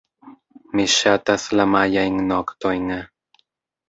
Mi ŝatas la majajn noktojn.